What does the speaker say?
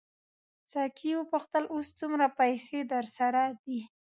ساقي وپوښتل اوس څومره پیسې درسره دي.